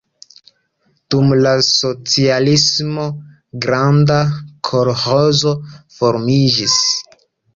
Dum la socialismo granda kolĥozo formiĝis.